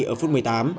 ở phút một mươi tám